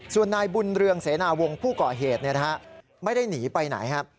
ส่วนนายบุญเรืองเสนาวงศ์ผู้ก่อเหตุไม่ได้หนีไปไหนครับ